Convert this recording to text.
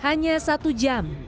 hanya satu jam